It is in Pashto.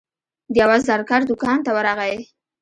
د یوه زرګر دوکان ته ورغی.